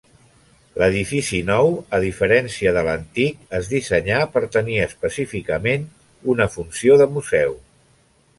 L'edifici nou, a diferència de l'antic, es dissenyà per tenir específicament una funció de museu.